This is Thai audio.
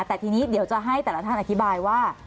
แต่ทีนี้เดี๋ยวจะให้แต่ละท่านอธิบายว่า